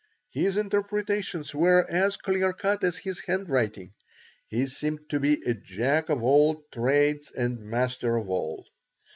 His interpretations were as clear cut as his handwriting. He seemed to be a Jack of all trades and master of all.